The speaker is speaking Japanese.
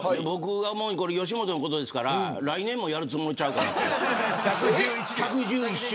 僕が思うにこれ吉本のことですから来年もやるつもりちゃうかなって。